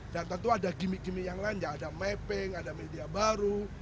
dan tentu ada gimmick gimmick yang lain ada mapping ada media baru